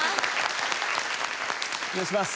お願いします。